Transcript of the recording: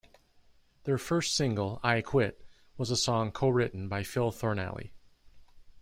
Their first single, "I Quit", was a song co-written by Phil Thornalley.